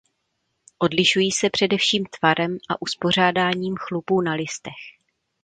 Odlišují se především tvarem a uspořádáním chlupů na listech.